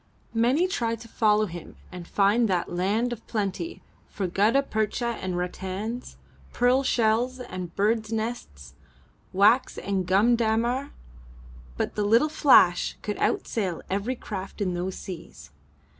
Many tried to follow him and find that land of plenty for gutta percha and rattans, pearl shells and birds' nests, wax and gum dammar, but the little Flash could outsail every craft in those seas.